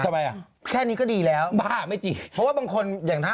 ทำไมอย่างไรแค่นี้ก็ดีแล้วเพราะว่าบางคนอยากทำ